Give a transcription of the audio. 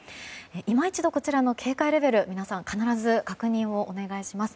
今一度こちらの警戒レベルを必ず確認をお願いします。